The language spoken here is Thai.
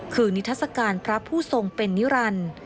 คือนิทัศกาลพระผู้ทรงเป็นนิรันดิ์